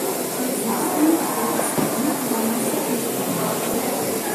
Застани отсрана да не се изгориш.